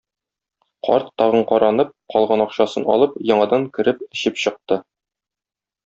Карт, тагын каранып, калган акчасын алып, яңадан кереп эчеп чыкты.